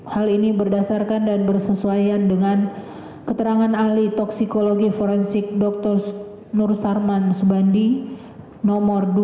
hal ini berdasarkan dan bersesuaian dengan keterangan ahli toksikologi forensik dr nur sarman subandi nomor dua